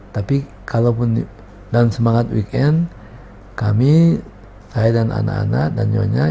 tapi kalaupun dalam semangat weekend kami saya dan anak anak dan nyonya